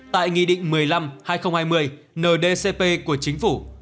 tại nghị định một mươi năm hai nghìn hai mươi ndcp của chính phủ